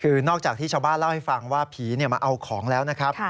คือนอกจากที่ชาวบ้านเล่าให้ฟังว่าผีมาเอาของแล้วนะครับ